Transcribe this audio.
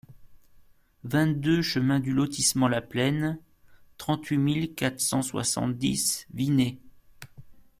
vingt-deux chemin du Lotissement la Plaine, trente-huit mille quatre cent soixante-dix Vinay